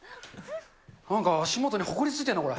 なんか足元にほこりついてるな、これ。